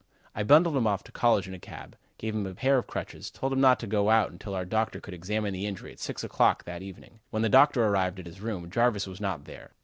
I bundled him off to college in a cab; gave him a pair of crutches; told him not to go out until our doctor could examine the injury at six o'clock that evening. When the doctor arrived at his room, Jarvis was not there.